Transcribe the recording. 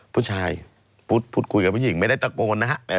ผู้ชายพูดคุยกับผู้หญิงไม่ได้ตะโกนนะครับ